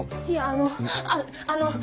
いやあの。